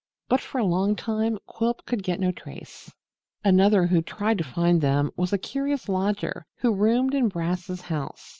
But for a long time Quilp could get no trace. Another who tried to find them was a curious lodger who roomed in Brass's house.